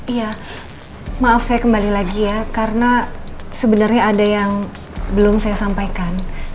iya maaf saya kembali lagi ya karena sebenarnya ada yang belum saya sampaikan